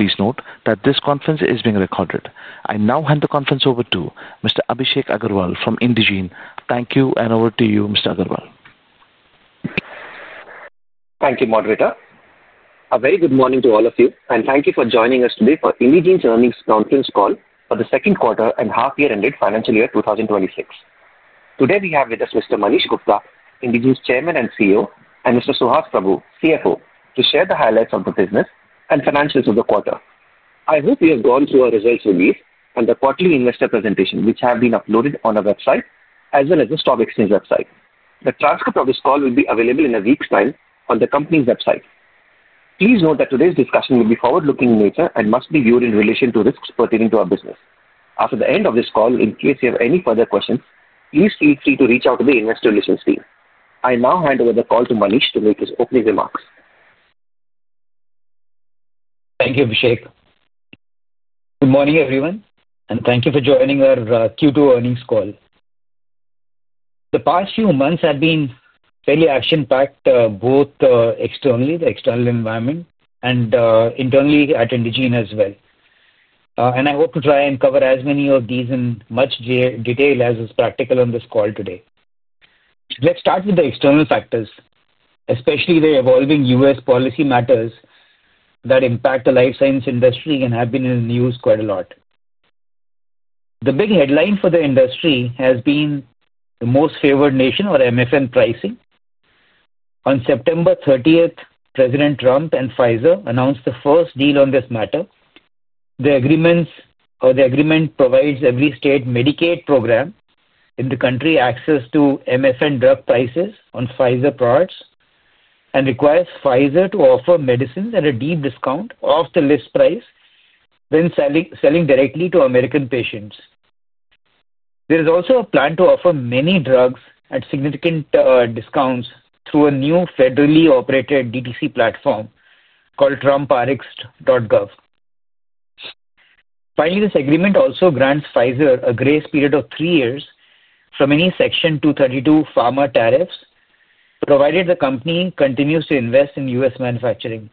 Please note that this conference is being recorded. I now hand the conference over to Mr. Abhishek Agarwal from Indegene. Thank you, and over to you, Mr. Agarwal. Thank you, Moderator. A very good morning to all of you, and thank you for joining us today for Indegene's earnings conference call for the second quarter and half-year ended financial year 2026. Today we have with us Mr. Manish Gupta, Indegene's Chairman and CEO, and Mr. Suhas Prabhu, CFO, to share the highlights of the business and financials of the quarter. I hope you have gone through our results release and the quarterly investor presentation, which have been uploaded on our website, as well as the Stock Exchange website. The transcript of this call will be available in a week's time on the company's website. Please note that today's discussion will be forward-looking in nature and must be viewed in relation to risks pertaining to our business. After the end of this call, in case you have any further questions, please feel free to reach out to the investor relations team. I now hand over the call to Manish to make his opening remarks. Thank you, Abhishek. Good morning, everyone, and thank you for joining our Q2 earnings call. The past few months have been fairly action-packed, both externally, the external environment, and internally at Indegene as well. I hope to try and cover as many of these in much detail as is practical on this call today. Let's start with the external factors, especially the evolving U.S. policy matters that impact the life sciences sector and have been in the news quite a lot. The big headline for the industry has been the Most Favored Nation or MFN pricing. On September 30, President Trump and Pfizer announced the first deal on this matter. The agreement provides every state Medicaid program in the country access to MFN drug prices on Pfizer products and requires Pfizer to offer medicines at a deep discount off the list price when selling directly to American patients. There is also a plan to offer many drugs at significant discounts through a new federally operated DTC platform called TrumpRxt.gov. Finally, this agreement also grants Pfizer a grace period of three years from any Section 232 pharma tariffs provided the company continues to invest in U.S. manufacturing.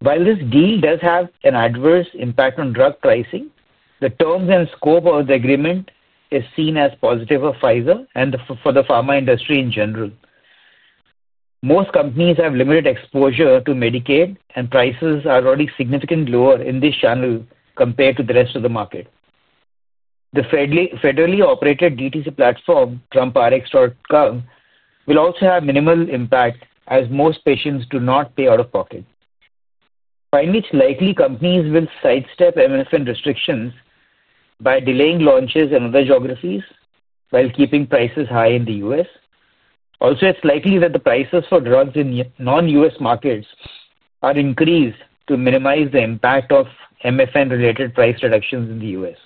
While this deal does have an adverse impact on drug pricing, the terms and scope of the agreement is seen as positive for Pfizer and for the pharma industry in general. Most companies have limited exposure to Medicaid, and prices are already significantly lower in this channel compared to the rest of the market. The federally operated DTC platform, TrumpRxt.gov, will also have minimal impact as most patients do not pay out of pocket. It is likely companies will sidestep MFN restrictions by delaying launches in other geographies while keeping prices high in the U.S. It is also likely that the prices for drugs in non-U.S. markets are increased to minimize the impact of MFN-related price reductions in the U.S.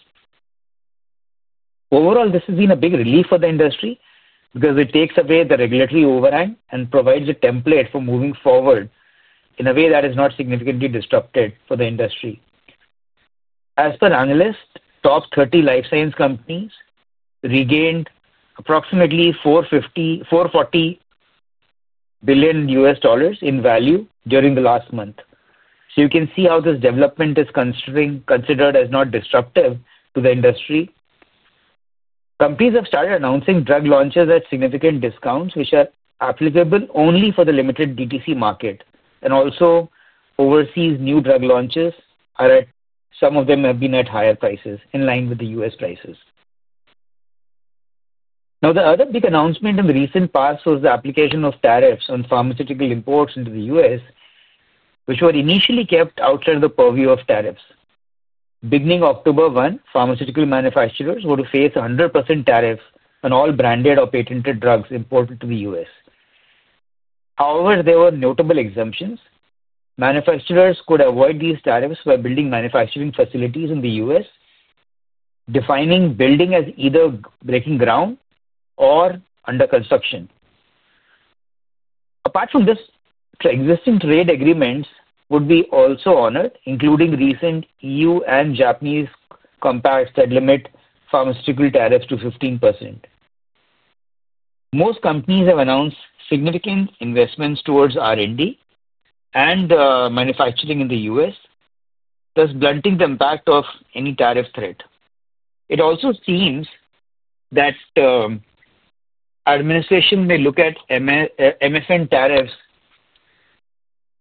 Overall, this has been a big relief for the industry because it takes away the regulatory overhang and provides a template for moving forward in a way that is not significantly disruptive for the industry. As per analysts, top 30 life sciences companies regained approximately $440 billion in value during the last month. You can see how this development is considered as not disruptive to the industry. Companies have started announcing drug launches at significant discounts, which are applicable only for the limited DTC market. Also, overseas new drug launches are at some of them have been at higher prices in line with the U.S. prices. The other big announcement in the recent past was the application of tariffs on pharmaceutical imports into the U.S., which were initially kept outside of the purview of tariffs. Beginning October 1, pharmaceutical manufacturers were to face 100% tariffs on all branded or patented drugs imported to the U.S. However, there were notable exemptions. Manufacturers could avoid these tariffs by building manufacturing facilities in the U.S., defining building as either breaking ground or under construction. Apart from this, existing trade agreements would also be honored, including recent EU and Japanese compacts that limit pharmaceutical tariffs to 15%. Most companies have announced significant investments towards R&D and manufacturing in the U.S., thus blunting the impact of any tariff threat. It also seems that the administration may look at MFN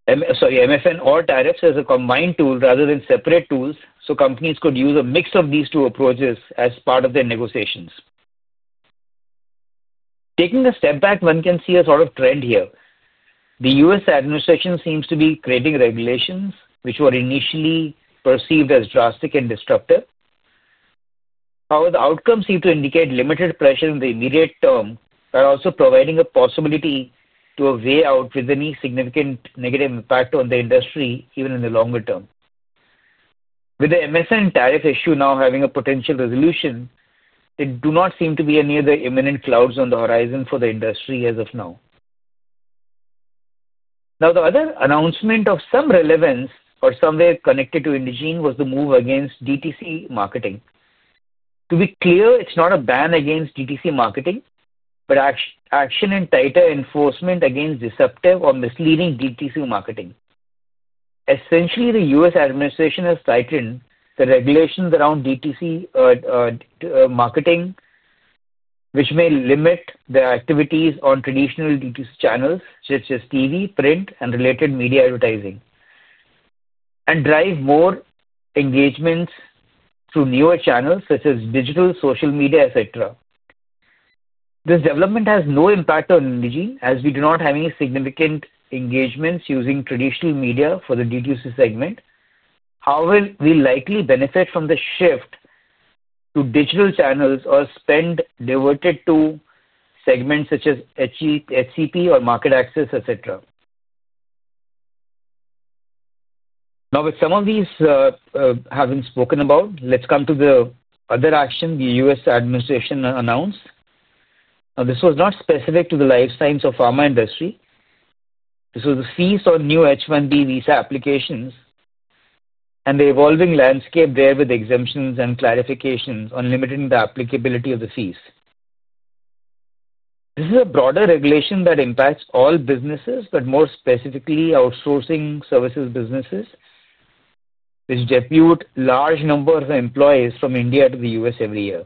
tariffs as a combined tool rather than separate tools, so companies could use a mix of these two approaches as part of their negotiations. Taking a step back, one can see a sort of trend here. The U.S. administration seems to be creating regulations which were initially perceived as drastic and disruptive. However, the outcomes seem to indicate limited pressure in the immediate term while also providing a possibility to a way out without any significant negative impact on the industry even in the longer term. With the MFN tariff issue now having a potential resolution, there do not seem to be any of the imminent clouds on the horizon for the industry as of now. The other announcement of some relevance or somewhere connected to Indegene was the move against direct-to-consumer (DTC) marketing. To be clear, it's not a ban against DTC marketing, but action and tighter enforcement against deceptive or misleading DTC marketing. Essentially, the U.S. administration has tightened the regulations around DTC marketing, which may limit the activities on traditional DTC channels such as TV, print, and related media advertising, and drive more engagements through newer channels such as digital, social media, etc. This development has no impact on Indegene as we do not have any significant engagements using traditional media for the DTC segment. However, we likely benefit from the shift to digital channels or spend diverted to segments such as HCP or market access, etc. Now, with some of these. Having spoken about, let's come to the other action the U.S. administration announced. Now, this was not specific to the life sciences or pharma industry. This was the fees on new H1B visa applications, and the evolving landscape there with exemptions and clarifications on limiting the applicability of the fees. This is a broader regulation that impacts all businesses, but more specifically outsourcing services businesses, which deputes a large number of employees from India to the U.S. every year.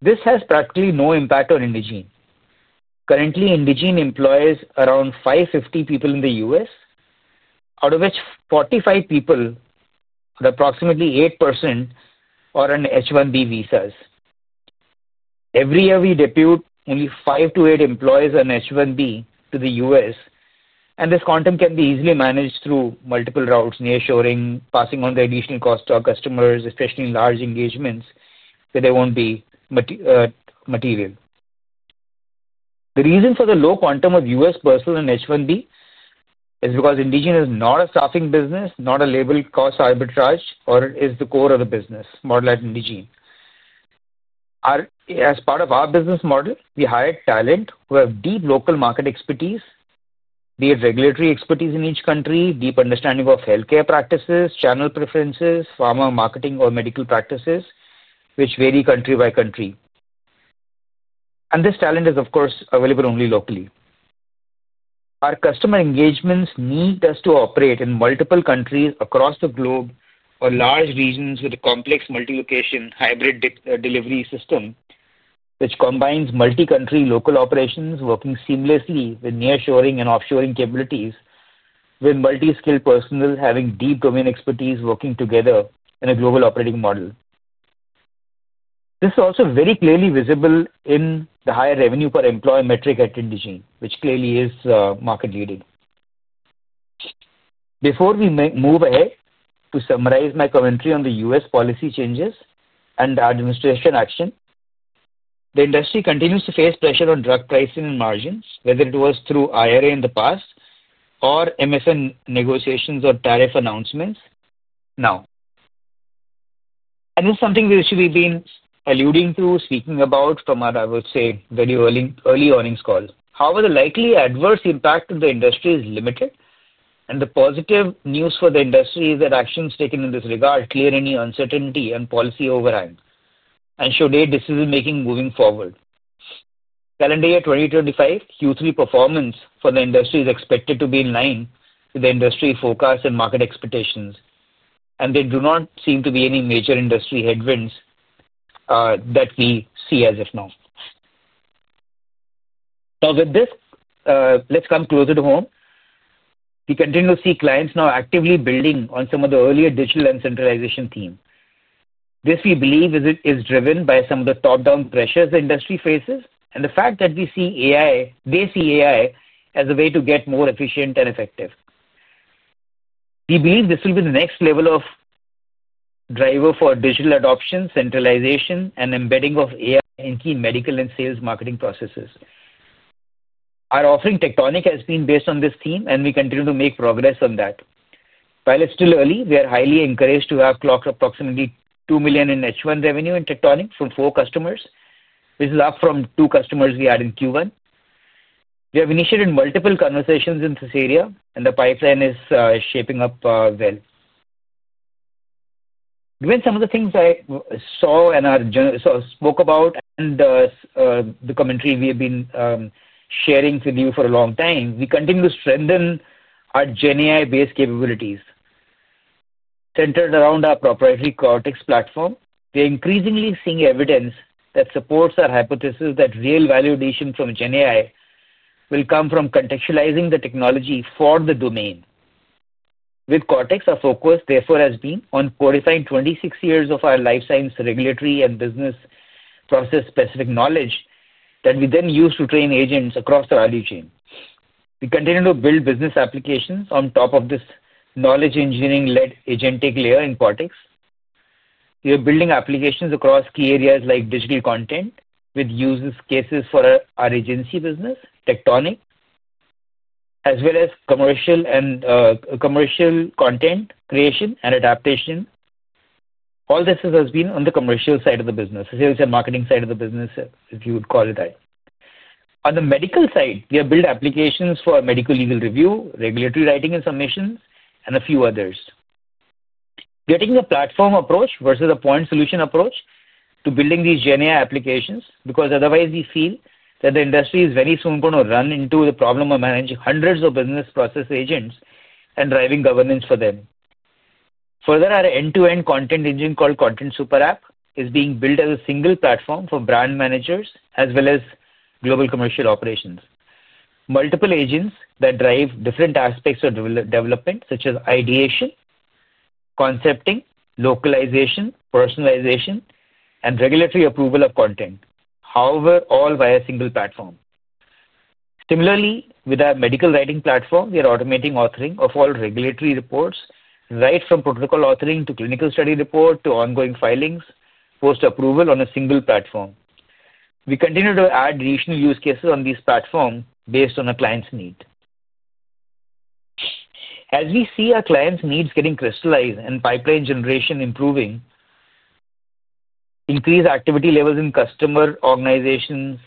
This has practically no impact on Indegene. Currently, Indegene employs around 550 people in the U.S., out of which 45 people, or approximately 8%, are on H1B visas. Every year, we deput only 5-8 employees on H1B to the U.S., and this quantum can be easily managed through multiple routes, nearshoring, passing on the additional cost to our customers, especially in large engagements where there won't be material impact. The reason for the low quantum of U.S. personnel on H1B is because Indegene is not a staffing business, not a labeled cost arbitrage, nor is the core of the business model at Indegene. As part of our business model, we hire talent who have deep local market expertise, be it regulatory expertise in each country, deep understanding of healthcare practices, channel preferences, pharma marketing, or medical practices, which vary country by country. This talent is, of course, available only locally. Our customer engagements need us to operate in multiple countries across the globe or large regions with a complex multi-location hybrid delivery system, which combines multi-country local operations working seamlessly with nearshoring and offshoring capabilities, with multi-skilled personnel having deep domain expertise working together in a global operating model. This is also very clearly visible in the higher revenue per employee metric at Indegene, which clearly is market-leading. Before we move ahead, to summarize my commentary on the U.S. policy changes and administration action, the industry continues to face pressure on drug pricing and margins, whether it was through IRA in the past or MFN negotiations or tariff announcements now. This is something which we've been alluding to, speaking about from our, I would say, very early earnings call. However, the likely adverse impact on the industry is limited, and the positive news for the industry is that actions taken in this regard clear any uncertainty and policy overhang and show their decision-making moving forward. Calendar year 2025 Q3 performance for the industry is expected to be in line with the industry forecasts and market expectations, and there do not seem to be any major industry headwinds that we see as of now. Now, with this, let's come closer to home. We continue to see clients now actively building on some of the earlier digital and centralization themes. This, we believe, is driven by some of the top-down pressures the industry faces and the fact that we see AI, they see AI as a way to get more efficient and effective. We believe this will be the next level of driver for digital adoption, centralization, and embedding of AI in key medical and sales marketing processes. Our offering, Tectonic, has been based on this theme, and we continue to make progress on that. While it's still early, we are highly encouraged to have clocked approximately $2 million in H1 revenue in Tectonic from four customers, which is up from two customers we had in Q1. We have initiated multiple conversations in this area, and the pipeline is shaping up well. Given some of the things I saw and spoke about and the commentary we have been sharing with you for a long time, we continue to strengthen our GenAI-based capabilities. Centered around our proprietary Cortex platform, we are increasingly seeing evidence that supports our hypothesis that real value addition from GenAI will come from contextualizing the technology for the domain. With Cortex, our focus, therefore, has been on fortifying 26 years of our life sciences regulatory and business process-specific knowledge that we then use to train agents across the value chain. We continue to build business applications on top of this knowledge engineering-led agentic layer in Cortex. We are building applications across key areas like digital content with use cases for our agency business, Tectonic, as well as commercial content creation and adaptation. All this has been on the commercial side of the business, as well as the marketing side of the business, if you would call it that. On the medical side, we have built applications for medical legal review, regulatory writing and submissions, and a few others. We are taking a platform approach versus a point solution approach to building these GenAI applications because otherwise we feel that the industry is very soon going to run into the problem of managing hundreds of business process agents and driving governance for them. Further, our end-to-end content engine called Content Super App is being built as a single platform for brand managers as well as global commercial operations. Multiple agents that drive different aspects of development, such as ideation, concepting, localization, personalization, and regulatory approval of content, however, all via a single platform. Similarly, with our medical writing platform, we are automating authoring of all regulatory reports, right from protocol authoring to clinical study report to ongoing filings, post-approval on a single platform. We continue to add additional use cases on this platform based on our client's need as we see our client's needs getting crystallized and pipeline generation improving. Increased activity levels in customer organizations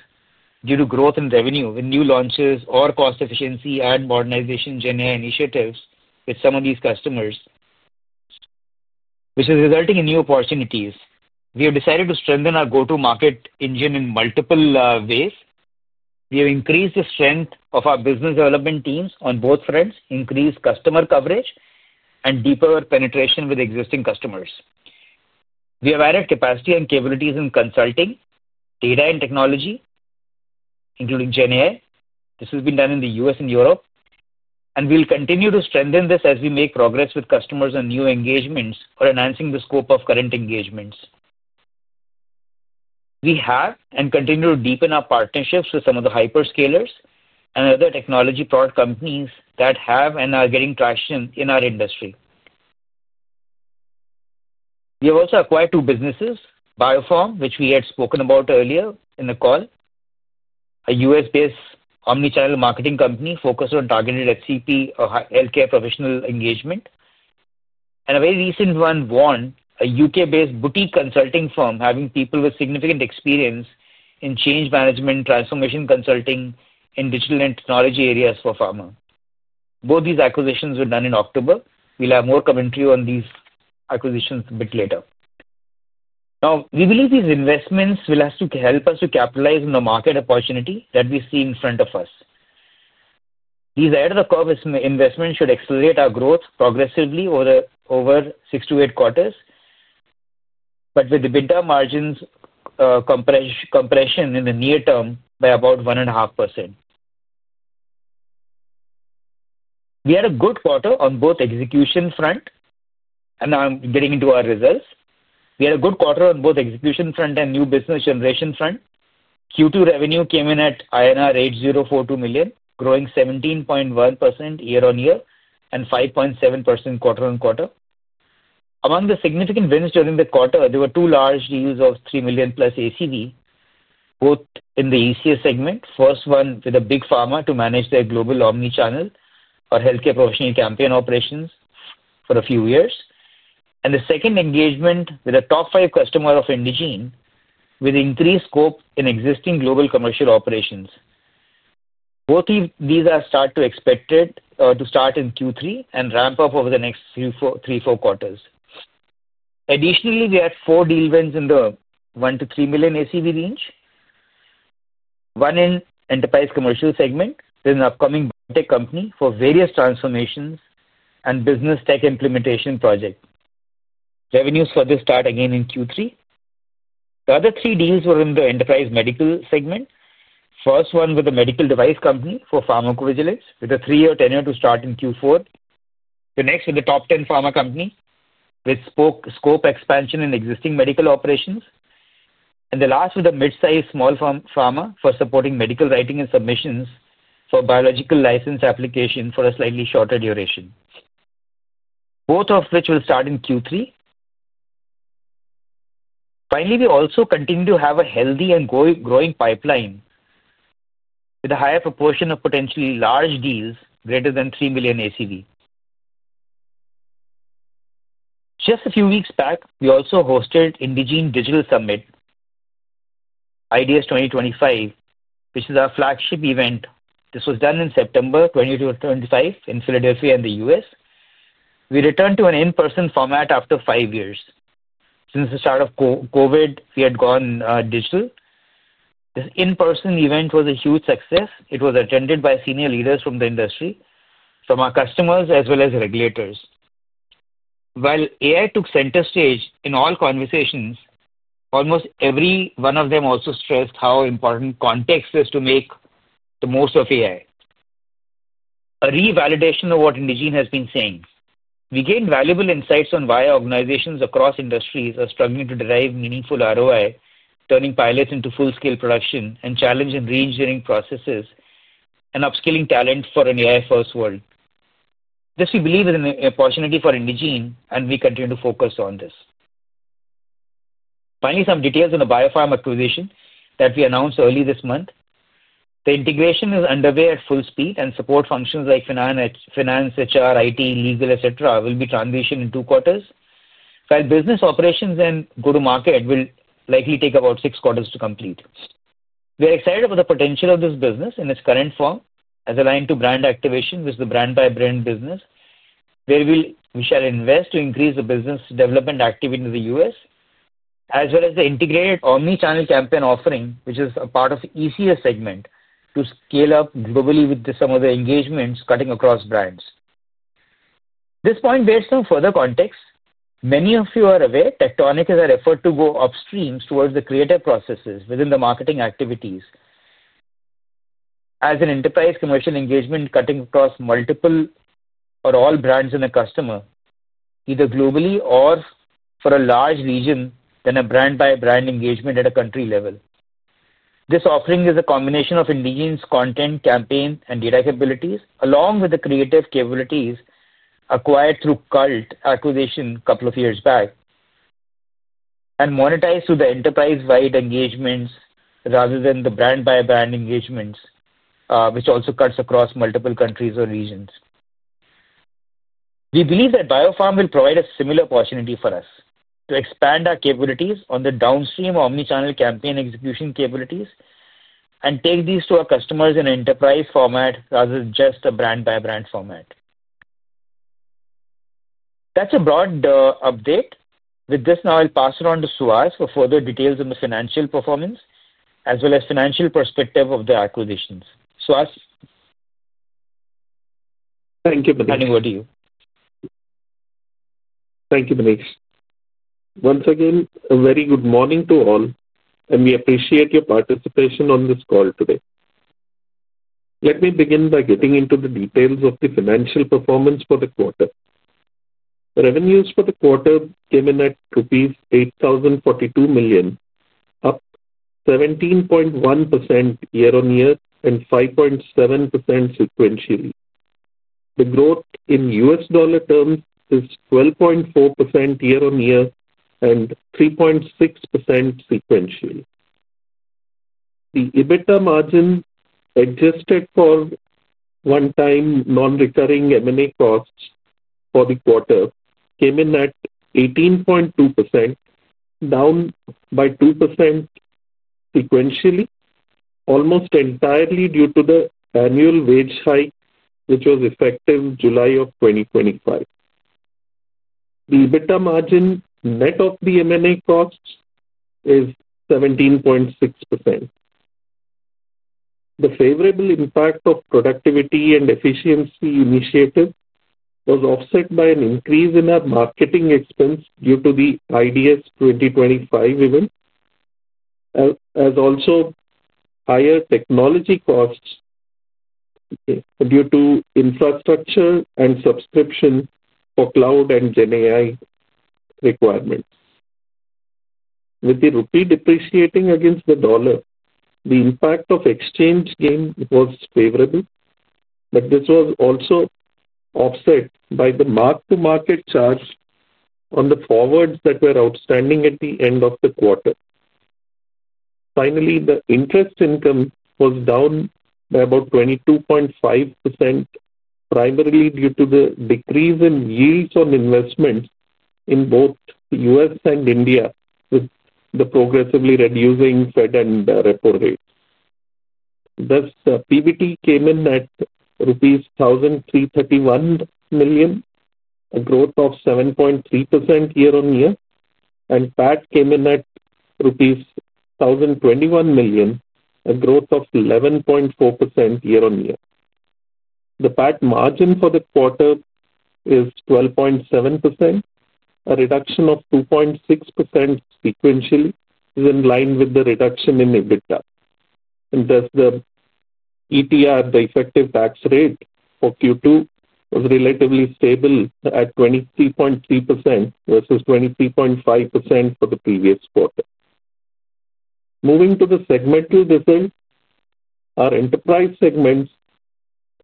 due to growth in revenue with new launches or cost efficiency and modernization GenAI initiatives with some of these customers, which is resulting in new opportunities, we have decided to strengthen our go-to-market engine in multiple ways. We have increased the strength of our business development teams on both fronts, increased customer coverage, and deeper penetration with existing customers. We have added capacity and capabilities in consulting, data and technology, including GenAI. This has been done in the U.S. and Europe, and we'll continue to strengthen this as we make progress with customers and new engagements for enhancing the scope of current engagements. We have and continue to deepen our partnerships with some of the hyperscalers and other technology product companies that have and are getting traction in our industry. We have also acquired two businesses: BioPharm, which we had spoken about earlier in the call, a U.S.-based omnichannel marketing company focused on targeted HCP or healthcare professional engagement, and a very recent one, Warn, a U.K. based boutique consulting firm having people with significant experience in change management, transformation consulting, and digital and technology areas for pharma. Both these acquisitions were done in October. We'll have more commentary on these acquisitions a bit later. Now, we believe these investments will help us to capitalize on the market opportunity that we see in front of us. These ahead-of-the-curve investments should accelerate our growth progressively over six to eight quarters, but with the bid-to-margins compression in the near term by about 1.5%. We had a good quarter on both execution front. Now I'm getting into our results. We had a good quarter on both execution front and new business generation front. Q2 revenue came in at INR 8,042 million, growing 17.1% year-on-year and 5.7% quarter-on-quarter. Among the significant wins during the quarter, there were two large deals of $3 million plus ACV, both in the enterprise commercial and medical segments. The first one with a big pharma to manage their global omnichannel or healthcare professional campaign operations for a few years, and the second engagement with a top-five customer of Indegene with increased scope in existing global commercial operations. Both of these are expected to start in Q3 and ramp up over the next three, four quarters. Additionally, we had four deal wins in the $1 million-$3 million ACV range. One in enterprise commercial segment with an upcoming biotech company for various transformations and business tech implementation project. Revenues for this start again in Q3. The other three deals were in the enterprise medical segment. The first one with a medical device company for pharmacovigilance with a three-year tenure to start in Q4. The next with a top-ten pharma company with scope expansion in existing medical operations. The last with a mid-size small pharma for supporting medical writing and submissions for biological license application for a slightly shorter duration. Both of which will start in Q3. Finally, we also continue to have a healthy and growing pipeline with a higher proportion of potentially large deals greater than $3 million ACV. Just a few weeks back, we also hosted Indegene Digital Summit, IDS 2025, which is our flagship event. This was done in September 2025 in Philadelphia in the U.S. We returned to an in-person format after five years. Since the start of COVID, we had gone digital. This in-person event was a huge success. It was attended by senior leaders from the industry, from our customers as well as regulators. While AI took center stage in all conversations, almost every one of them also stressed how important context is to make the most of AI. A re-validation of what Indegene has been saying. We gained valuable insights on why organizations across industries are struggling to derive meaningful ROI, turning pilots into full-scale production, and challenging re-engineering processes and upskilling talent for an AI-first world. This we believe is an opportunity for Indegene, and we continue to focus on this. Finally, some details on the BioPharm acquisition that we announced early this month. The integration is underway at full speed, and support functions like finance, HR, IT, legal, etc., will be transitioned in two quarters, while business operations and go-to-market will likely take about six quarters to complete. We are excited about the potential of this business in its current form as aligned to brand activation, which is the brand-by-brand business, where we shall invest to increase the business development activity in the U.S., as well as the integrated omnichannel campaign offering, which is a part of the ECS segment, to scale up globally with some of the engagements cutting across brands. At this point, based on further context, many of you are aware, Tectonic is our effort to go upstream towards the creative processes within the marketing activities. As an enterprise commercial engagement cutting across multiple or all brands and a customer, either globally or for a large region, then a brand-by-brand engagement at a country level. This offering is a combination of Indegene's content campaign and data capabilities, along with the creative capabilities acquired through Cult acquisition a couple of years back, and monetized through the enterprise-wide engagements rather than the brand-by-brand engagements, which also cuts across multiple countries or regions. We believe that BioPharm will provide a similar opportunity for us to expand our capabilities on the downstream omnichannel campaign execution capabilities and take these to our customers in an enterprise format rather than just a brand-by-brand format. That's a broad update. With this now, I'll pass it on to Suhas for further details on the financial performance as well as financial perspective of the acquisitions. Suhas. Thank you, Manish. Turning over to you. Thank you, Manish. Once again, a very good morning to all, and we appreciate your participation on this call today. Let me begin by getting into the details of the financial performance for the quarter. Revenues for the quarter came in at rupees 8,042 million, up 17.1% year-on-year and 5.7% sequentially. The growth in U.S. dollar terms is 12.4% year-on-year and 3.6% sequentially. The EBITDA margin for one-time non-recurring M&A costs for the quarter came in at 18.2%, down by 2% sequentially, almost entirely due to the annual wage hike, which was effective July of 2025. The EBITDA margin net of the M&A costs is 17.6%. The favorable impact of productivity and efficiency initiatives was offset by an increase in our marketing expense due to the IDS 2025 event, as also higher technology costs due to infrastructure and subscription for cloud and GenAI requirements. With the rupee depreciating against the dollar, the impact of exchange gain was favorable, but this was also offset by the mark-to-market charge on the forwards that were outstanding at the end of the quarter. Finally, the interest income was down by about 22.5%, primarily due to the decrease in yields on investment in both the U.S. and India, with the progressively reducing Fed and repo rates. Thus, PBT came in at rupees 1,331 million, a growth of 7.3% year-on-year, and PAT came in at rupees 1,021 million, a growth of 11.4% year-on-year. The PAT margin for the quarter is 12.7%. A reduction of 2.6% sequentially is in line with the reduction in EBITDA. Thus, the ETR, the effective tax rate for Q2, was relatively stable at 23.3% versus 23.5% for the previous quarter. Moving to the segmental results, our enterprise segments,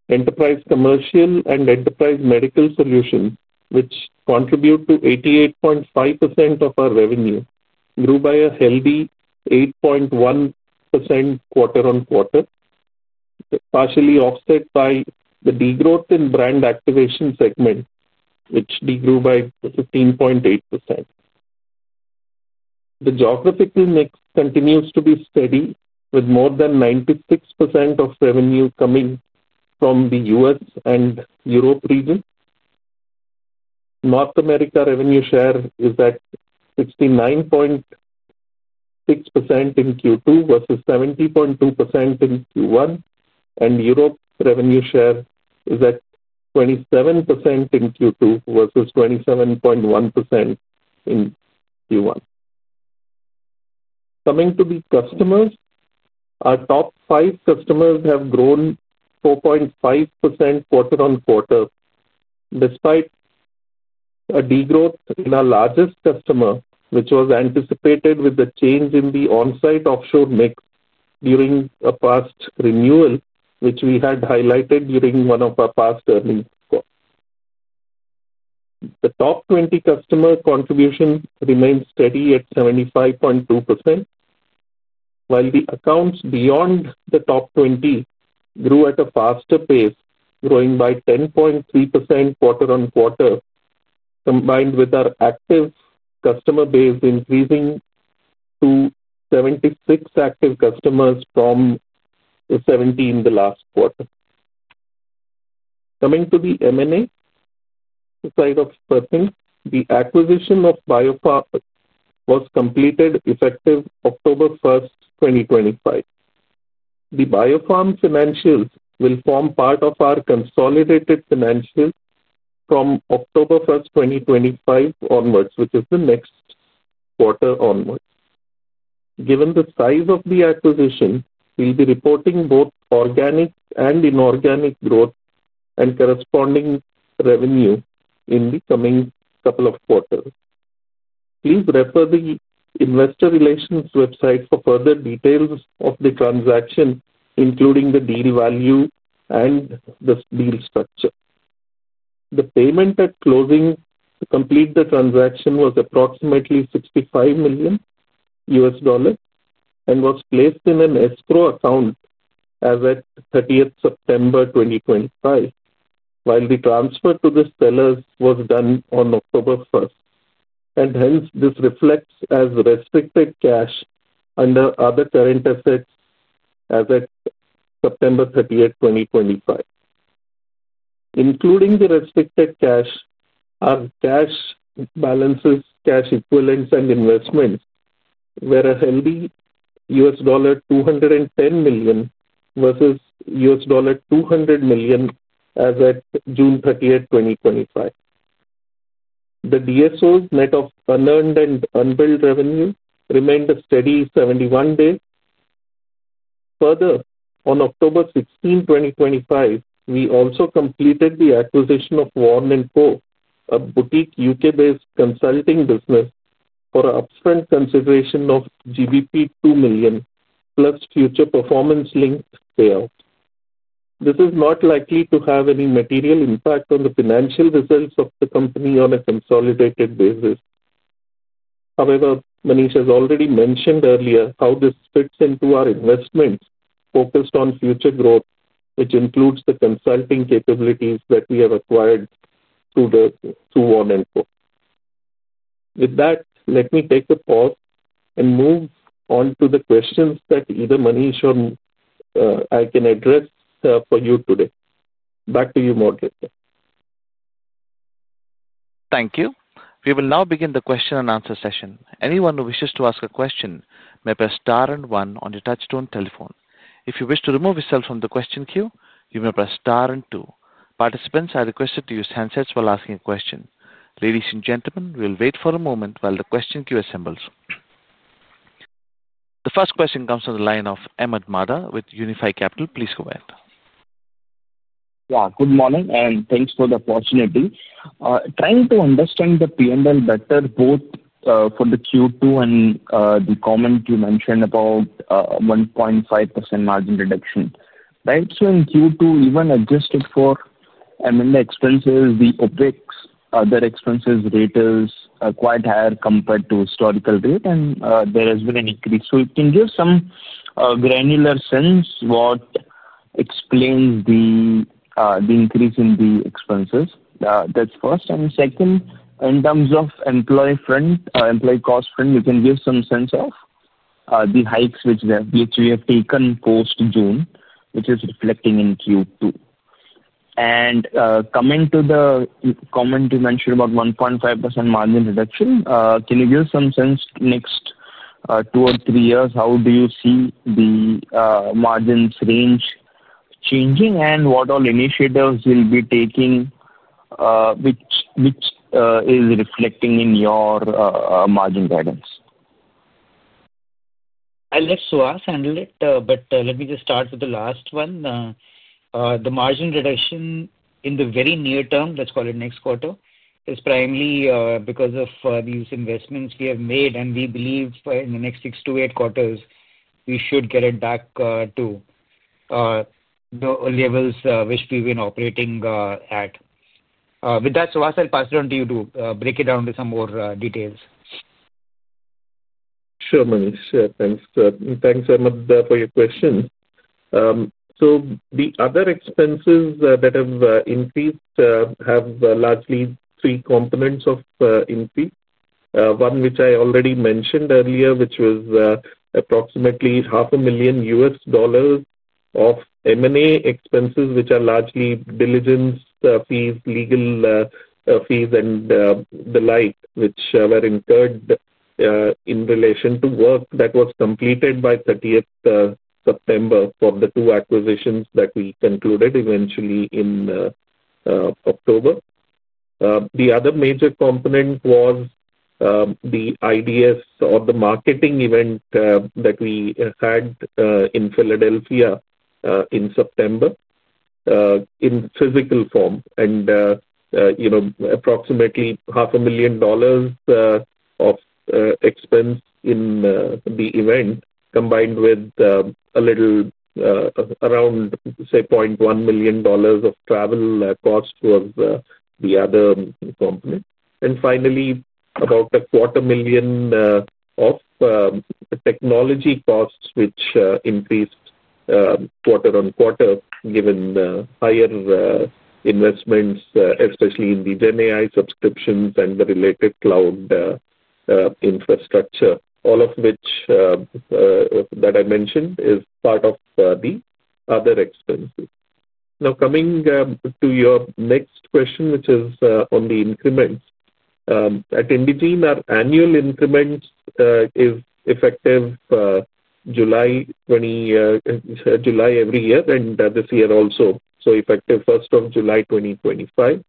enterprise commercial and enterprise medical solutions, which contribute to 88.5% of our revenue, grew by a healthy 8.1% quarter-on-quarter, partially offset by the degrowth in brand activation segment, which degrew by 15.8%. The geographical mix continues to be steady, with more than 96% of revenue coming from the U.S. and Europe region. North America revenue share is at 69.6% in Q2 versus 70.2% in Q1, and Europe revenue share is at 27% in Q2 versus 27.1% in Q1. Coming to the customers, our top five customers have grown 4.5% quarter-on-quarter, despite a degrowth in our largest customer, which was anticipated with the change in the onsite offshore mix during a past renewal, which we had highlighted during one of our past earnings. The top 20 customer contribution remained steady at 75.2%, while the accounts beyond the top 20 grew at a faster pace, growing by 10.3% quarter-on-quarter, combined with our active customer base increasing to 76 active customers from 70 in the last quarter. Coming to the M&A. Side of the person, the acquisition of BioPharm was completed effective October 1st, 2025. The BioPharm financials will form part of our consolidated financials from October 1st, 2025 onwards, which is the next quarter onwards. Given the size of the acquisition, we'll be reporting both organic and inorganic growth and corresponding revenue in the coming couple of quarters. Please refer to the investor relations website for further details of the transaction, including the deal value and the deal structure. The payment at closing to complete the transaction was approximately $65 million and was placed in an escrow account as of 30th September 2025, while the transfer to the sellers was done on October 1st. Hence, this reflects as restricted cash under other current assets as of September 30th, 2025. Including the restricted cash, our cash balances, cash equivalents, and investments were a healthy $210 million versus $200 million as of June 30th, 2025. The DSOs net of unearned and unbilled revenue remained a steady 71 days. Further, on October 16, 2025, we also completed the acquisition of Warn & Co, a boutique U.K. -based consulting business for upfront consideration of GBP 2 million plus future performance-linked payout. This is not likely to have any material impact on the financial results of the company on a consolidated basis. However, Manish has already mentioned earlier how this fits into our investments focused on future growth, which includes the consulting capabilities that we have acquired through Warn & Co. With that, let me take a pause and move on to the questions that either Manish or I can address for you today. Back to you, Moderator. Thank you. We will now begin the question-and-answer session. Anyone who wishes to ask a question may press star and one on the touchstone telephone. If you wish to remove yourself from the question queue, you may press star and two. Participants are requested to use handsets while asking a question. Ladies and gentlemen, we'll wait for a moment while the question queue assembles. The first question comes from the line of Ahmed Madha with Unifi Capital. Please go ahead. Yeah, good morning, and thanks for the opportunity. Trying to understand the P&L better, both for the Q2 and the comment you mentioned about 1.5% margin reduction. Right? In Q2, even adjusted for M&A expenses, the OpEx, other expenses, rates are quite higher compared to historical rate, and there has been an increase. It can give some granular sense what explains the increase in the expenses. That's first. Second, in terms of employee cost, you can give some sense of the hikes which we have taken post-June, which is reflecting in Q2. Coming to the comment you mentioned about 1.5% margin reduction, can you give some sense next two or three years, how do you see the margins range changing and what all initiatives you'll be taking which is reflecting in your margin guidance? I'll let Suhas handle it, but let me just start with the last one. The margin reduction in the very near term, let's call it next quarter, is primarily because of these investments we have made, and we believe in the next six to eight quarters, we should get it back to the levels which we've been operating at. With that, Suhas, I'll pass it on to you to break it down into some more details. Sure, Manish. Thanks. Thanks, Ahmed, for your question. The other expenses that have increased have largely three components of increase. One, which I already mentioned earlier, was approximately $0.5 million of M&A expenses, which are largely diligence fees, legal fees, and the like, which were incurred in relation to work that was completed by 30 September for the two acquisitions that we concluded eventually in October. The other major component was the IDS or the marketing event that we had in Philadelphia in September in physical form. Approximately $0.5 million of expense in the event, combined with a little around, say, $0.1 million of travel cost, was the other component. Finally, about $0.25 million of technology costs, which increased quarter-on-quarter given higher investments, especially in the GenAI subscriptions and the related cloud infrastructure, all of which that I mentioned is part of the other expenses. Now, coming to your next question, which is on the increments. At Indegene, our annual increment is effective July every year, and this year also so effective 1st July 2025.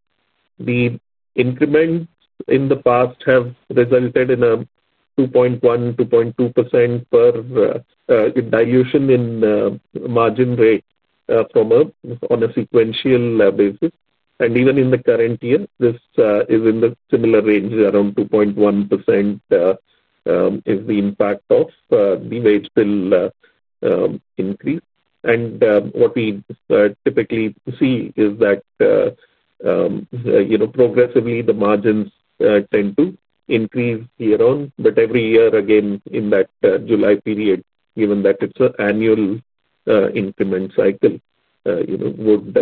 The increments in the past have resulted in a 2.1%, 2.2% dilution in margin rate on a sequential basis. Even in the current year, this is in the similar range, around 2.1% is the impact of the wage bill increase. What we typically see is that progressively, the margins tend to increase year-on, but every year, again, in that July period, given that it's an annual increment cycle, would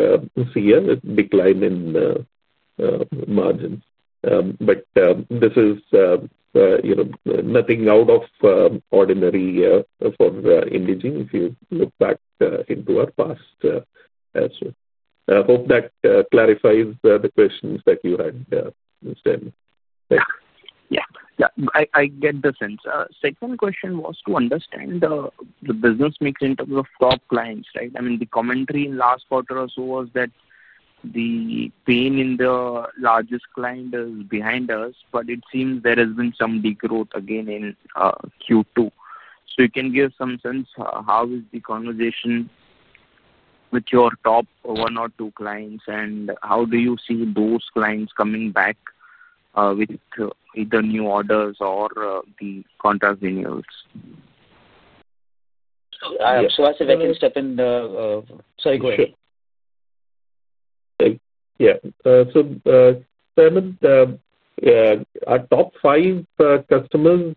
see a decline in the margins. This is. Nothing out of ordinary for Indegene, if you look back into our past as well. I hope that clarifies the questions that you had. Thanks. Yeah. Yeah. I get the sense. Second question was to understand the business mix in terms of top clients, right? I mean, the commentary in the last quarter or so was that the pain in the largest client is behind us, but it seems there has been some degrowth again in Q2. You can give some sense how is the conversation with your top one or two clients, and how do you see those clients coming back with either new orders or the contract renewals? I'm sure I can step in. Sorry, go ahead. Yeah. Our top five customers,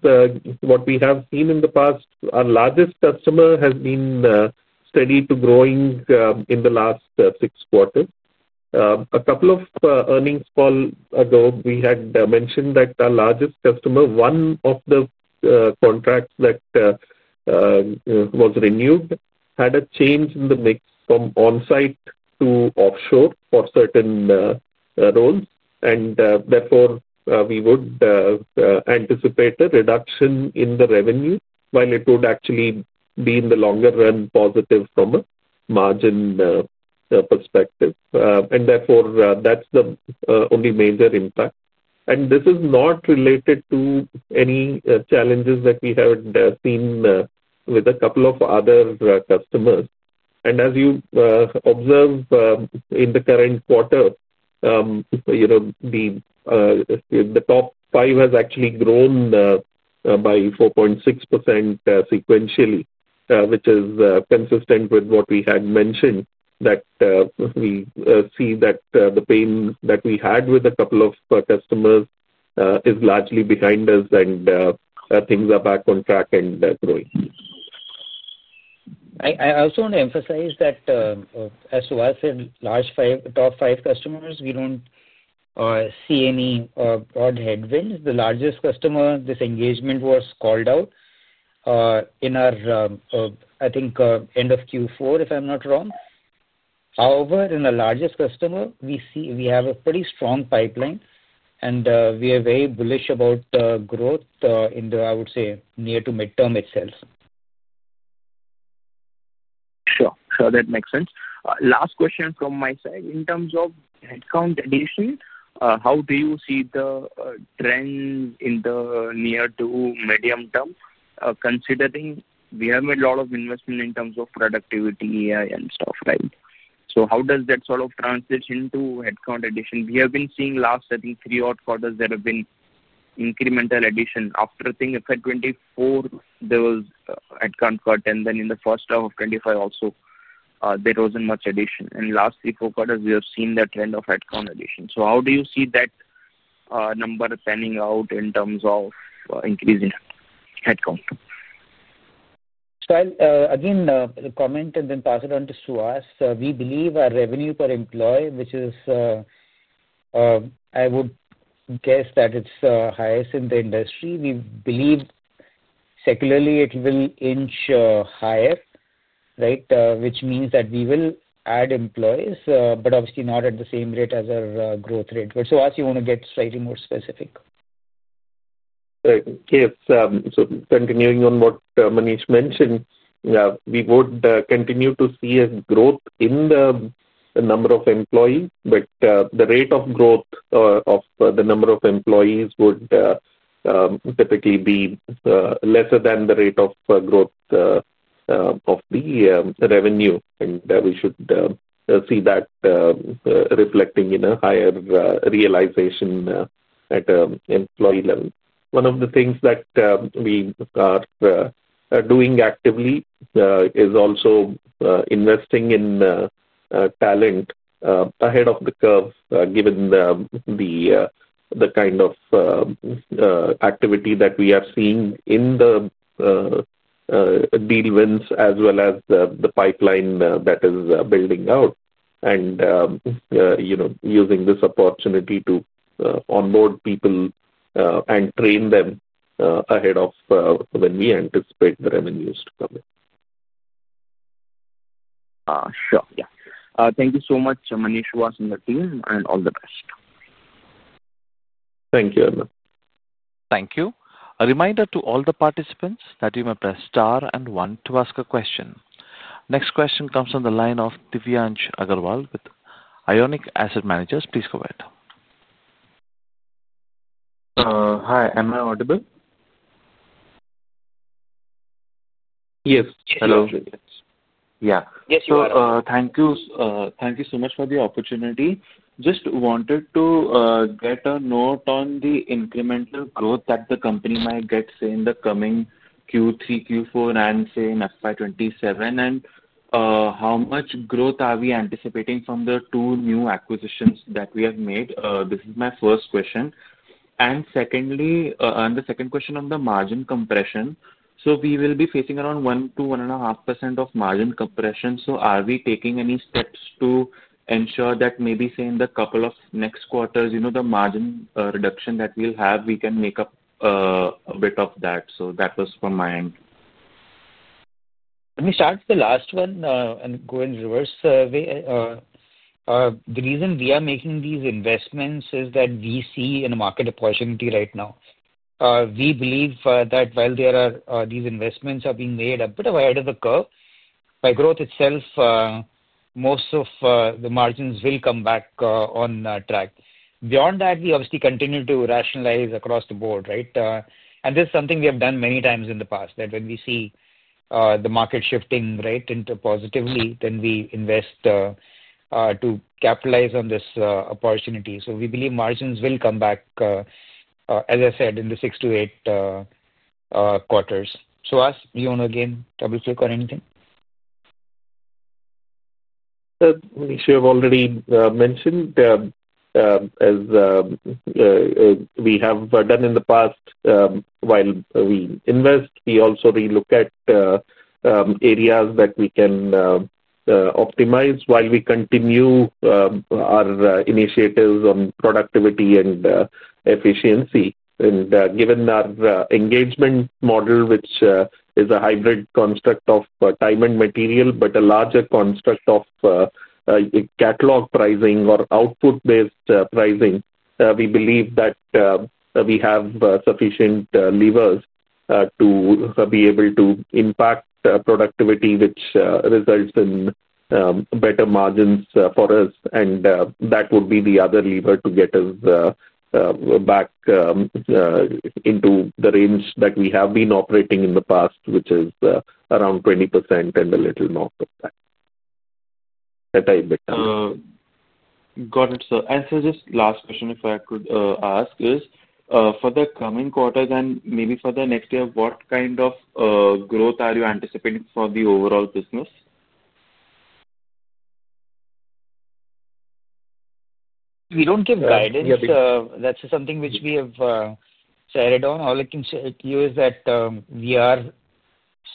what we have seen in the past, our largest customer has been steady to growing in the last six quarters. A couple of earnings calls ago, we had mentioned that our largest customer, one of the contracts that was renewed, had a change in the mix from onsite to offshore for certain roles. Therefore, we would anticipate a reduction in the revenue, while it would actually be in the longer run positive from a margin perspective. That's the only major impact, and this is not related to any challenges that we have seen with a couple of other customers. As you observe in the current quarter, the top five has actually grown by 4.6% sequentially, which is consistent with what we had mentioned, that we see that the pain that we had with a couple of customers is largely behind us, and things are back on track and growing. I also want to emphasize that, as Suhas said, top five customers, we don't see any broad headwinds. The largest customer, this engagement was called out in our, I think, end of Q4, if I'm not wrong. However, in the largest customer, we have a pretty strong pipeline, and we are very bullish about growth in the, I would say, near to midterm itself. Sure. Sure. That makes sense. Last question from my side. In terms of headcount addition, how do you see the trend in the near to medium term? Considering we have made a lot of investment in terms of productivity and stuff, right? How does that sort of translate into headcount addition? We have been seeing last, I think, three or four quarters there have been incremental addition. After I think FY2024, there was headcount cut, and then in the first half of 2025 also, there wasn't much addition. Last three or four quarters, we have seen the trend of headcount addition. How do you see that. Number panning out in terms of increasing headcount? Again, comment and then pass it on to Suhas. We believe our revenue per employee, which is, I would guess that it's highest in the industry. We believe, secularly it will inch higher, right? Which means that we will add employees, but obviously not at the same rate as our growth rate. Suhas, you want to get slightly more specific? Right. Yes. Continuing on what Manish mentioned, we would continue to see a growth in the number of employees, but the rate of growth of the number of employees would typically be lesser than the rate of growth of the revenue. We should see that reflecting in a higher realization at an employee level. One of the things that we are doing actively is also investing in talent ahead of the curve, given the kind of activity that we are seeing in the deal wins as well as the pipeline that is building out, and using this opportunity to onboard people and train them ahead of when we anticipate the revenues to come in. Sure. Thank you so much, Manish, Suhas, and the team, and all the best. Thank you, Ahmed. Thank you. A reminder to all the participants that you may press star and one to ask a question. Next question comes from the line of Divyansh Agarwal with Ionic Asset Managers. Please go ahead. Hi. Am I audible? Yes. Hello. Yes, you are. Thank you. Thank you so much for the opportunity. Just wanted to get a note on the incremental growth that the company might get in the coming Q3, Q4, and say in FY2027, and how much growth are we anticipating from the two new acquisitions that we have made? This is my first question. Secondly, on the second question on the margin compression, we will be facing around 1%-1.5% of margin compression. Are we taking any steps to ensure that maybe, say, in the couple of next quarters, the margin reduction that we'll have, we can make up a bit of that? That was from my end. Let me start with the last one and go in reverse way. The reason we are making these investments is that we see a market opportunity right now. We believe that while these investments are being made a bit ahead of the curve, by growth itself most of the margins will come back on track. Beyond that, we obviously continue to rationalize across the board, right? This is something we have done many times in the past, that when we see the market shifting, right, into positively, then we invest to capitalize on this opportunity. We believe margins will come back. As I said, in the six to eight quarters. Suhas, do you want to again double-click on anything? Manish, you have already mentioned. As we have done in the past, while we invest, we also relook at areas that we can optimize while we continue our initiatives on productivity and efficiency. Given our engagement model, which is a hybrid construct of time and material, but a larger construct of catalog pricing or output-based pricing, we believe that we have sufficient levers to be able to impact productivity, which results in better margins for us. That would be the other lever to get us back into the range that we have been operating in the past, which is around 20% and a little more of that. Got it. Just last question, if I could ask, for the coming quarter and maybe for the next year, what kind of growth are you anticipating for the overall business? We don't give guidance. That's something which we have stated on. All I can say to you is that we are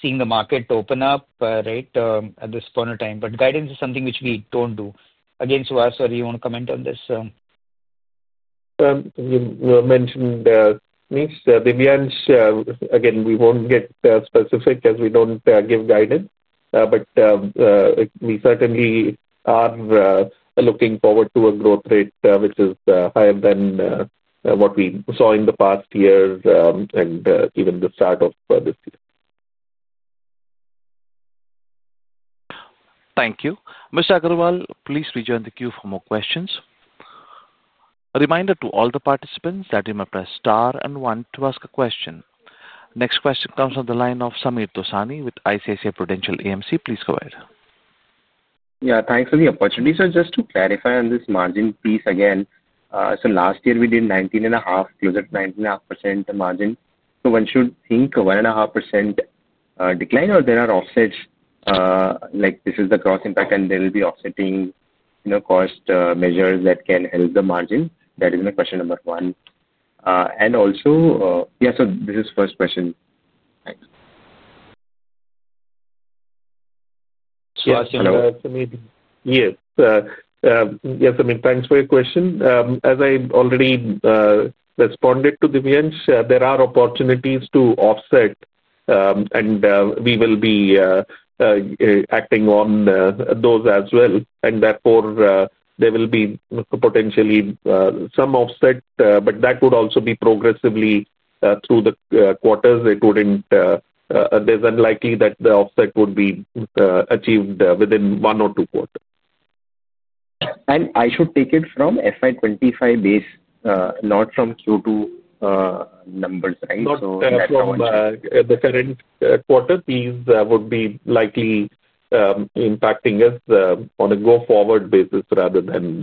seeing the market open up, right, at this point in time. Guidance is something which we don't do. Again, Suhas, sorry, you want to comment on this? You mentioned. Manish, Divyansh, again, we won't get specific as we don't give guidance. We certainly are looking forward to a growth rate which is higher than what we saw in the past year and even the start of this year. Thank you. Mr. Agarwal, please rejoin the queue for more questions. A reminder to all the participants that you may press star and one to ask a question. Next question comes from the line of Sameer Dosani with ICICI Prudential AMC. Please go ahead. Yeah. Thanks for the opportunity. Just to clarify on this margin piece again, last year we did 19.5%, closer to 19.5% margin. One should think of a 1.5% decline, or there are offsets. Like this is the cross impact, and there will be offsetting cost measures that can help the margin. That is my question number one. Also, yeah, so this is the first question. Thanks. Yes. Thanks for your question. As I already responded to Divyansh, there are opportunities to offset, and we will be acting on those as well. Therefore, there will be potentially some offset, but that would also be progressively through the quarters. It's unlikely that the offset would be achieved within one or two quarters. I should take it from FY2025 base, not from Q2 numbers, right? So the current quarter piece would be likely. Impacting us on a go-forward basis rather than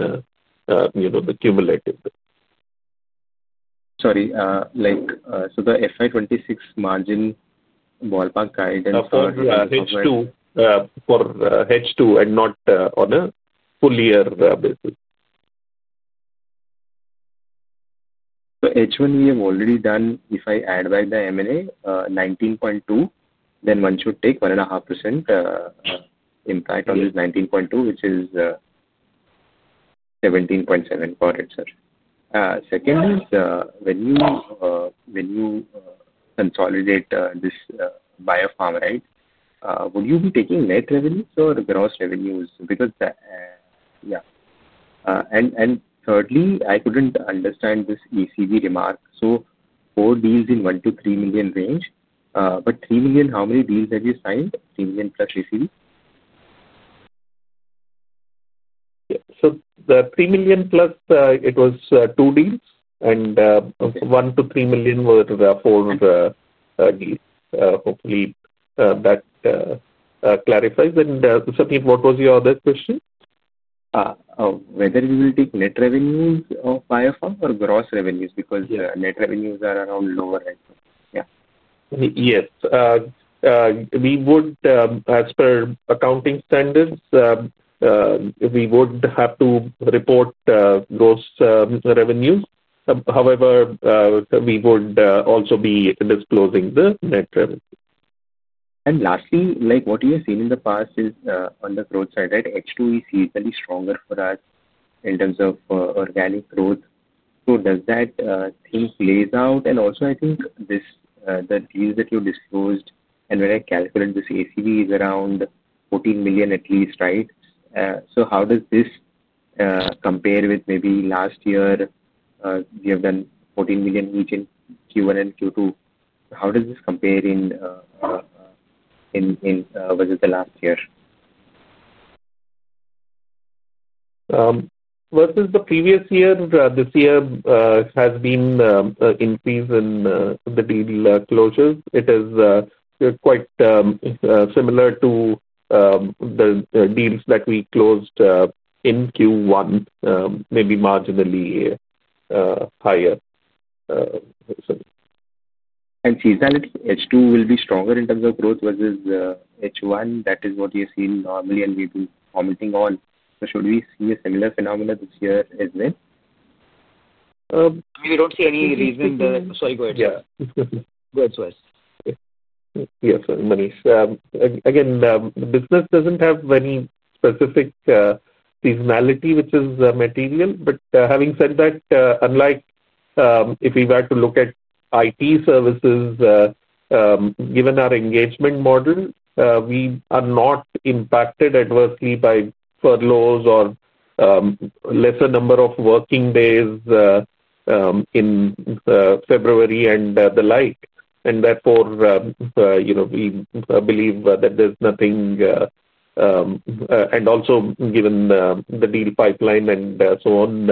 the cumulative basis. Sorry. The FY2026 margin, ballpark guidance for H2, for H2 and not on a full year basis. H1, we have already done. If I add back the M&A 19.2, then one should take 1.5% impact on this 19.2, which is 17.7% for it, sir. Second is, when you consolidate this BioPharm, right, would you be taking net revenues or gross revenues? Because, yeah. Thirdly, I couldn't understand this ECV remark. Four deals in $1 million-$3 million range, but $3 million, how many deals have you signed $3 million plus ECV? The $3 million plus, it was two deals, and $1 million-$3 million were the four deals. Hopefully, that clarifies. What was your other question? Whether you will take net revenues of BioPharm or gross revenues? Because net revenues are around lower, right? Yeah. Yes. We would, as per accounting standards, have to report gross revenues. However, we would also be disclosing the net revenue. Lastly, what we have seen in the past is on the growth side, H2 is usually stronger for us in terms of organic growth. Does that thing play out? I think the deals that you disclosed and when I calculate this ACV is around $14 million at least, right? How does this compare with maybe last year? You have done $14 million each in Q1 and Q2. How does this compare versus the last year? Versus the previous year, this year has been an increase in the deal closures. It is quite similar to the deals that we closed in Q1, maybe marginally higher, and seems that H2 will be stronger in terms of growth versus H1. That is what we have seen normally and we've been commenting on. Should we see a similar phenomenon this year as well? We don't see any reason. Sorry, go ahead, sir. Go ahead, Suhas. Yes, Manish. Again, the business doesn't have any specific seasonality, which is material. Having said that, unlike if we were to look at IT services, given our engagement model, we are not impacted adversely by furloughs or lesser number of working days in February and the like. Therefore, we believe that there's nothing, and also, given the deal pipeline and so on,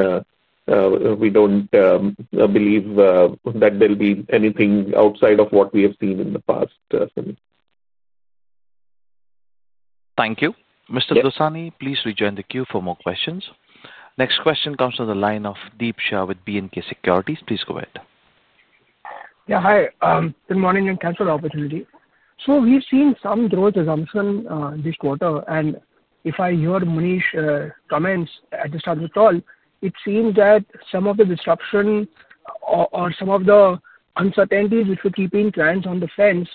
we don't believe that there'll be anything outside of what we have seen in the past. Thank you. Mr. Dosani, please rejoin the queue for more questions. Next question comes from the line of Deep Shah with B&K Securities. Please go ahead. Yeah. Hi. Good morning and thanks for the opportunity. We've seen some growth resumption this quarter. If I hear Manish comments at the start of the call, it seems that some of the disruption or some of the uncertainties which were keeping clients on the fence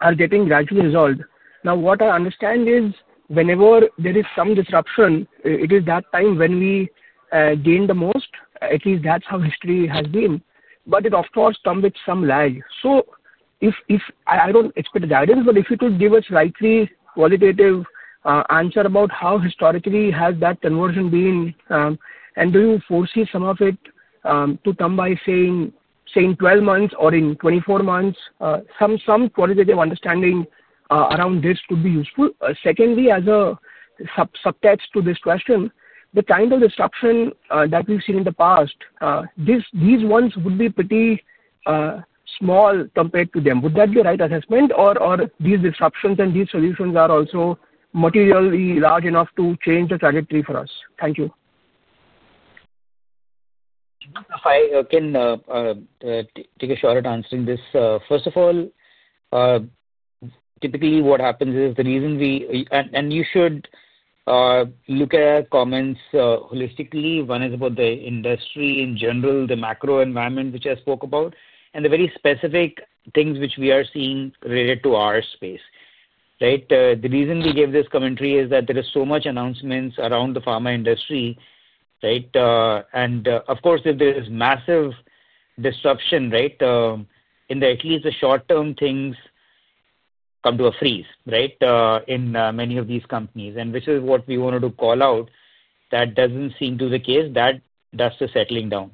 are getting gradually resolved. What I understand is whenever there is some disruption, it is that time when we gain the most. At least that's how history has been. It, of course, comes with some lag. I don't expect guidance, but if you could give a slightly qualitative answer about how historically has that conversion been, and do you foresee some of it to come by, say, 12 months or in 24 months, some qualitative understanding around this could be useful. Secondly, as a subtext to this question, the kind of disruption that we've seen in the past, these ones would be pretty small compared to them. Would that be a right assessment, or are these disruptions and these solutions also materially large enough to change the trajectory for us? Thank you. If I can take a short answer in this. First of all, typically, what happens is the reason we—and you should look at comments holistically. One is about the industry in general, the macro environment, which I spoke about, and the very specific things which we are seeing related to our space, right? The reason we gave this commentary is that there are so many announcements around the pharma industry, right? If there is massive disruption, in at least the short-term things come to a freeze, in many of these companies. This is what we wanted to call out. That doesn't seem to be the case. That's the settling down.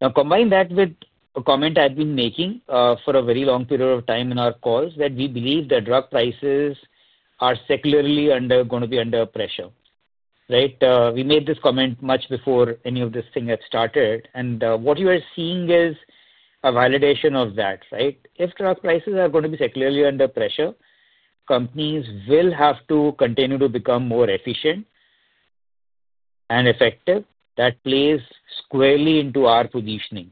Now, combine that with a comment I've been making for a very long period of time in our calls that we believe that drug prices are secularly going to be under pressure, right? We made this comment much before any of this thing had started. What you are seeing is a validation of that, right? If drug prices are going to be secularly under pressure, companies will have to continue to become more efficient and effective. That plays squarely into our positioning,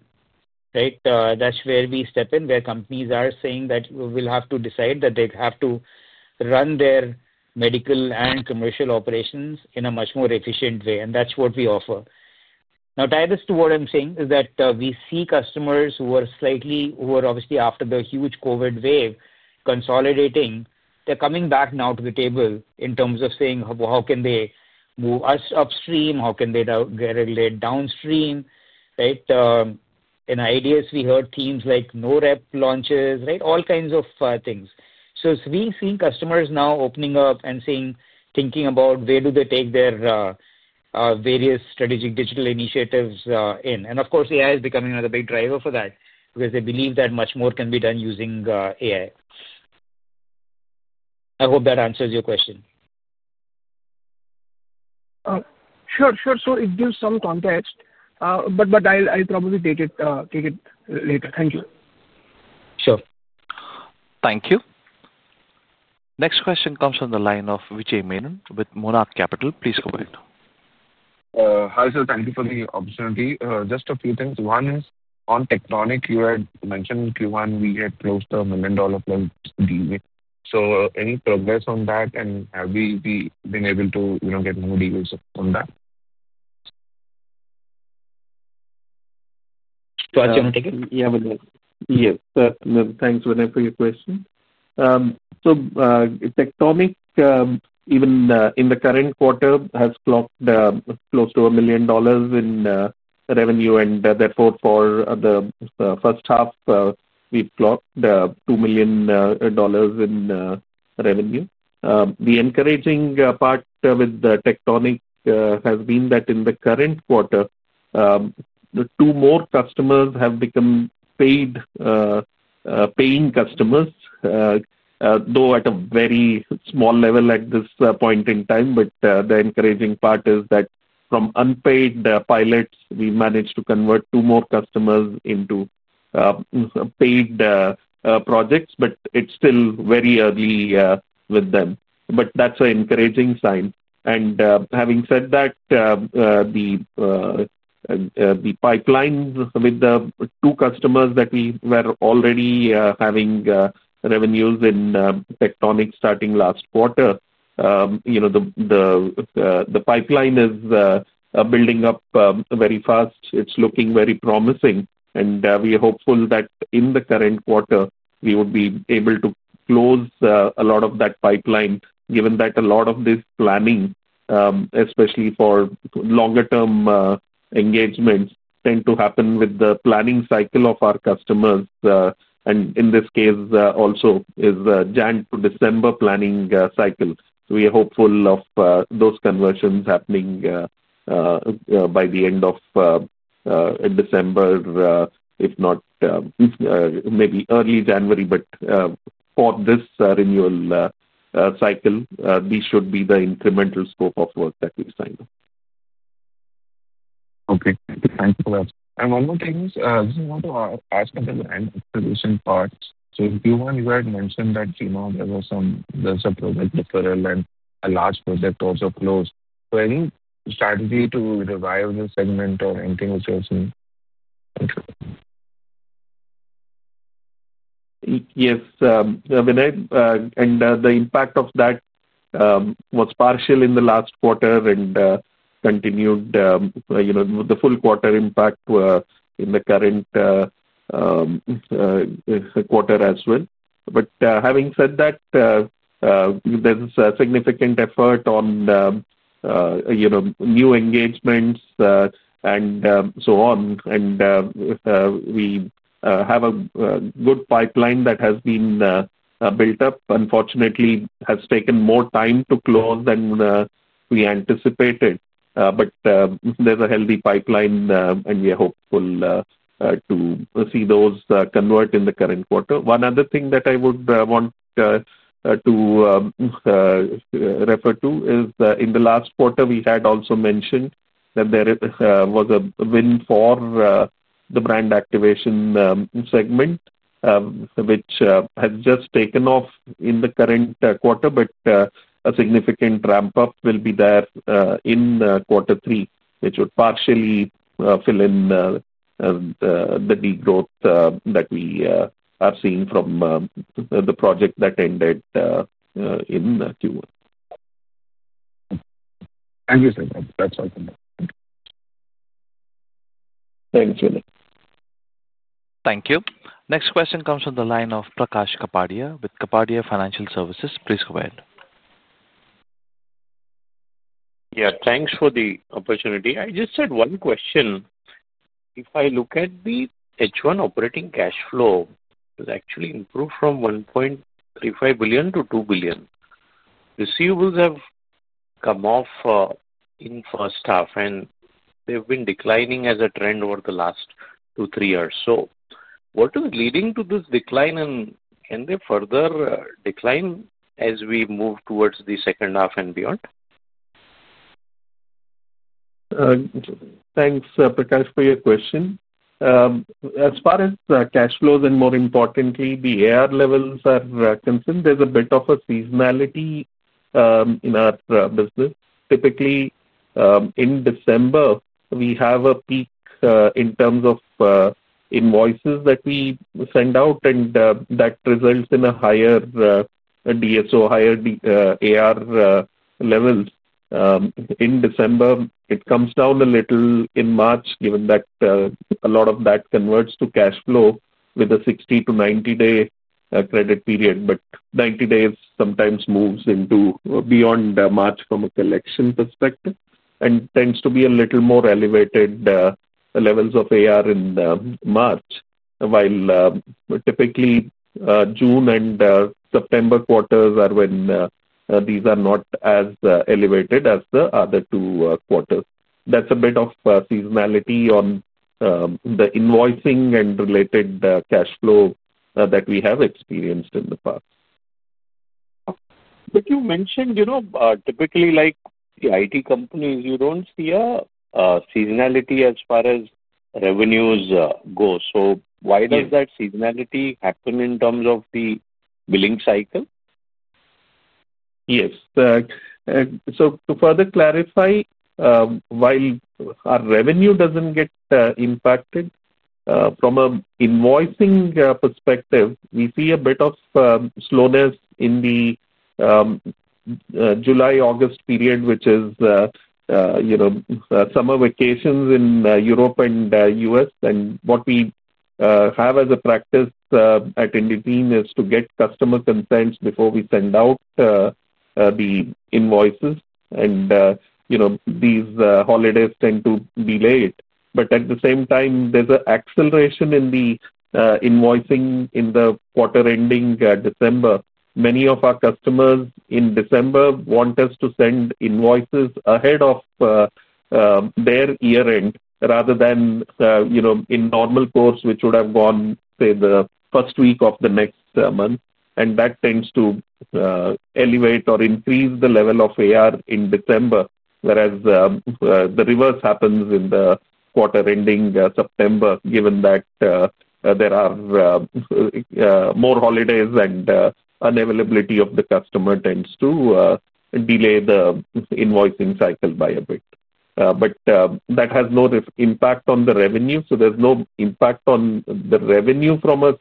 right? That's where we step in, where companies are saying that we'll have to decide that they have to run their medical and commercial operations in a much more efficient way. That's what we offer. Now, tied this to what I'm saying is that we see customers who are slightly, who are obviously, after the huge COVID wave, consolidating, they're coming back now to the table in terms of saying, "How can they move us upstream? How can they get downstream?" Right? In IDS, we heard themes like NoRep launches, right? All kinds of things. We've seen customers now opening up and thinking about where do they take their various strategic digital initiatives in. Of course, AI is becoming another big driver for that because they believe that much more can be done using AI. I hope that answers your question. Sure, sure. It gives some context, but I'll probably take it later. Thank you. Sure. Thank you. Next question comes from the line of Vinay Menon with Monarch Capital. Please go ahead. Hi, sir. Thank you for the opportunity. Just a few things. One is on Tectonic, you had mentioned Q1, we had closed a million-dollar pledge deal. Any progress on that, and have we been able to get more deals on that? To add to your take? Yeah. Yes. Thanks, Vinay, for your question. Tectonic, even in the current quarter, has clocked close to $1 million in revenue. Therefore, for the first half, we've clocked $2 million in revenue. The encouraging part with Tectonic has been that in the current quarter, two more customers have become paid customers, though at a very small level at this point in time. The encouraging part is that from unpaid pilots, we managed to convert two more customers into paid projects, but it's still very early with them. That's an encouraging sign. Having said that, the pipeline with the two customers that we were already having revenues in Tectonic starting last quarter, the pipeline is building up very fast. It's looking very promising. We are hopeful that in the current quarter, we would be able to close a lot of that pipeline, given that a lot of this planning, especially for longer-term engagements, tends to happen with the planning cycle of our customers. In this case, also is the January to December planning cycle. We are hopeful of those conversions happening by the end of December, if not, maybe early January. For this renewal cycle, this should be the incremental scope of work that we signed. Okay. Thanks for that. One more thing is, I just want to ask about the end-of-promotion part. Q1, you had mentioned that there was a project referral and a large project also closed. Any strategy to revive the segment or anything which you have seen? Yes, Vinay. The impact of that was partial in the last quarter and continued the full quarter impact in the current quarter as well. Having said that, there's a significant effort on new engagements and so on. We have a good pipeline that has been built up. Unfortunately, it has taken more time to close than we anticipated. There's a healthy pipeline, and we are hopeful to see those convert in the current quarter. One other thing that I would want to refer to is in the last quarter, we had also mentioned that there was a win for the brand activation segment, which has just taken off in the current quarter, but a significant ramp-up will be there in quarter three, which would partially fill in the degrowth that we are seeing from the project that ended in Q1. Thank you, sir. That's all. Thanks, Vinay. Thank you. Next question comes from the line of Prakash Kapadia with Kapadia Financial Services. Please go ahead. Yeah, thanks for the opportunity. I just had one question. If I look at the H1 operating cash flow, it has actually improved from $1.35 billion to $2 billion. Receivables have come off in first half, and they've been declining as a trend over the last two, three years. What is leading to this decline, and can they further decline as we move towards the second half and beyond? Thanks, Prakash, for your question. As far as cash flows and, more importantly, the AR levels are concerned, there's a bit of a seasonality in our business. Typically, in December, we have a peak in terms of invoices that we send out, and that results in a higher DSO, higher AR levels. In December, it comes down a little in March, given that a lot of that converts to cash flow with a 60-90 day credit period. Ninety days sometimes moves into beyond March from a collection perspective and tends to be a little more elevated. Levels of AR in March, while typically, June and September quarters are when these are not as elevated as the other two quarters. That's a bit of seasonality on the invoicing and related cash flow that we have experienced in the past. You mentioned typically, like the IT companies, you don't see a seasonality as far as revenues go. Why does that seasonality happen in terms of the billing cycle? Yes, to further clarify, while our revenue doesn't get impacted from an invoicing perspective, we see a bit of slowness in the. July, August period, which is summer vacations in Europe and the U.S. What we have as a practice at Indegene is to get customer consents before we send out the invoices. These holidays tend to be late, but at the same time, there's an acceleration in the invoicing in the quarter-ending December. Many of our customers in December want us to send invoices ahead of their year-end rather than in normal course, which would have gone, say, the first week of the next month. That tends to elevate or increase the level of AR in December, whereas the reverse happens in the quarter-ending September, given that there are more holidays and unavailability of the customer tends to delay the invoicing cycle by a bit. That has no impact on the revenue. There's no impact on the revenue from a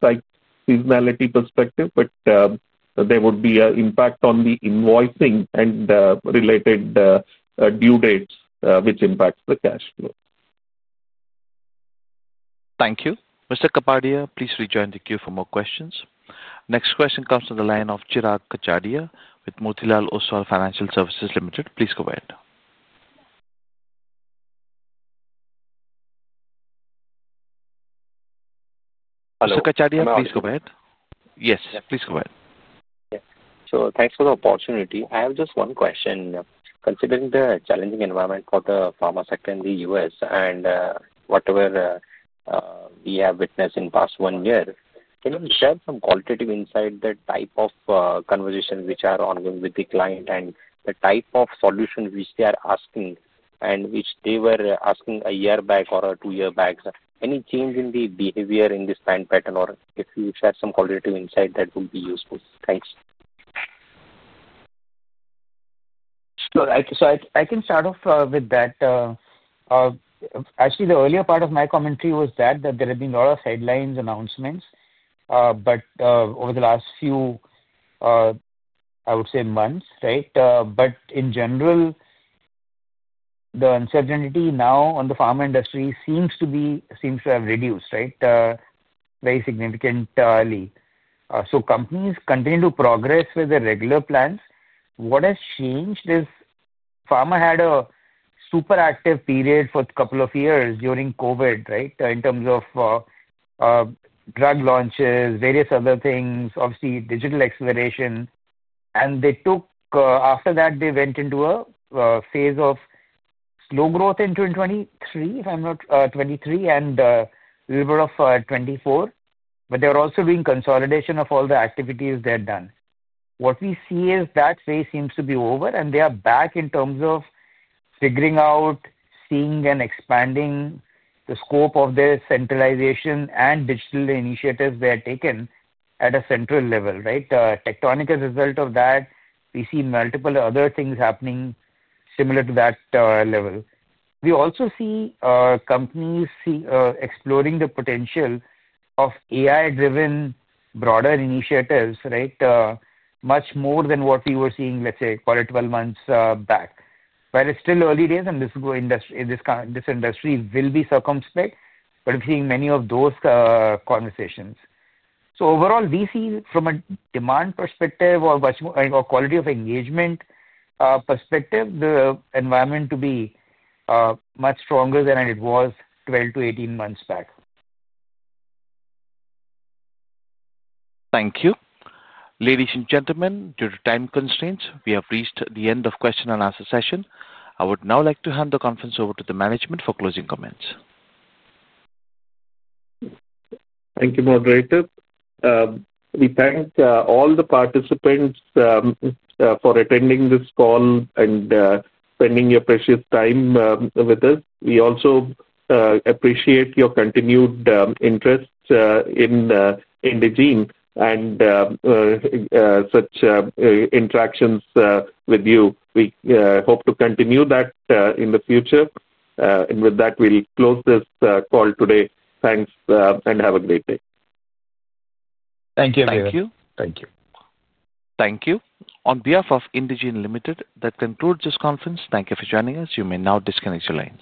seasonality perspective, but there would be an impact on the invoicing and related due dates, which impacts the cash flow. Thank you. Mr. Kapadia, please rejoin the queue for more questions. Next question comes from the line of Chirag Kachhadiya with Motilal Oswal Financial Services Limited. Please go ahead. Hello. Mr. Kachhadiya, please go ahead. Yes, please go ahead. Yeah, so thanks for the opportunity. I have just one question. Considering the challenging environment for the pharma sector in the U.S. and whatever we have witnessed in the past one year, can you share some qualitative insight, the type of conversations which are ongoing with the client and the type of solutions which they are asking and which they were asking a year back or two years back? Any change in the behavior in this time pattern, or if you share some qualitative insight, that would be useful. Thanks. I can start off with that. Actually, the earlier part of my commentary was that there have been a lot of headlines, announcements, but over the last few months, right? In general, the uncertainty now on the pharma industry seems to have reduced very significantly. Companies continue to progress with their regular plans. What has changed is pharma had a super active period for a couple of years during COVID, right, in terms of drug launches, various other things, obviously, digital acceleration. After that, they went into a phase of slow growth in 2023, if I'm not 2023, and a little bit of 2024. They were also doing consolidation of all the activities they had done. What we see is that phase seems to be over, and they are back in terms of. Figuring out, seeing, and expanding the scope of their centralization and digital initiatives they had taken at a central level, right? Tectonic, as a result of that, we see multiple other things happening similar to that level. We also see companies exploring the potential of AI-driven broader initiatives, right. Much more than what we were seeing, let's say, quarter 12 months back. It's still early days, and this industry will be circumspect, but we're seeing many of those conversations. Overall, we see, from a demand perspective or quality of engagement perspective, the environment to be much stronger than it was 12-18 months back. Thank you. Ladies and gentlemen, due to time constraints, we have reached the end of the question-and-answer session. I would now like to hand the conference over to the management for closing comments. Thank you, Moderator. We thank all the participants for attending this call and spending your precious time with us. We also appreciate your continued interest in Indegene and such interactions with you. We hope to continue that in the future. With that, we'll close this call today. Thanks, and have a great day. Thank you, Vinay. Thank you. Thank you. Thank you. On behalf of Indegene Limited, that concludes this conference. Thank you for joining us. You may now disconnect your lines.